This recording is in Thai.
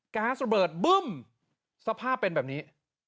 ๊าซระเบิดบึ้มสภาพเป็นแบบนี้